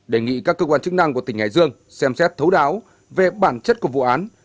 đề nghị các cơ quan chức năng của tỉnh hải dương xem xét thấu đáo về bản chất của vụ án